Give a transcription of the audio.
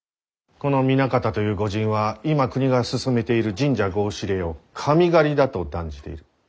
この南方という御仁は今国が進めている神社合祀令を「神狩り」だと断じている。